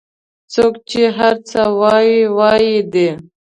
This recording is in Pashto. څوک چې هر څه وایي وایي دي